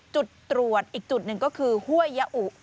จุดตรวจอีกจุดหนึ่งก็คือห้วยยะอุ